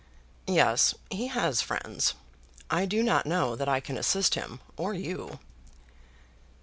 "Yes, he has friends. I do not know that I can assist him, or you."